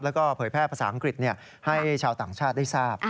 แล้วก็เผยแพร่ภาษาอังกฤษให้ชาวต่างชาติได้ทราบ